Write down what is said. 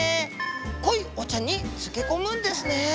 濃いお茶に漬け込むんですね。